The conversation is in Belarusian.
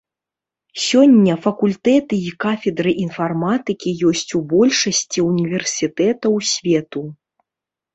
Сёння факультэты і кафедры інфарматыкі ёсць у большасці універсітэтаў свету.